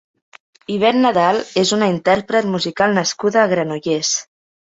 Ivette Nadal és una intérpret musical nascuda a Granollers.